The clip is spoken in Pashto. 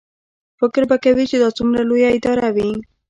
فکر به کوې چې دا څومره لویه اداره وي.